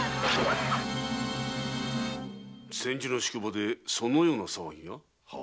千住の宿場でそのような騒ぎが？